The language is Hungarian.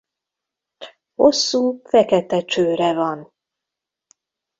Hosszú fekete csőre van.